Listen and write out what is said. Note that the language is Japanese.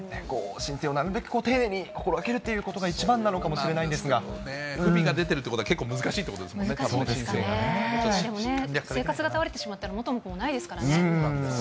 申請をなるべく丁寧に心がけるということが一番なのかもしれ不備が出てるということは、難しいですよね、でもね、生活が倒れてしまったら、元も子もないですからね。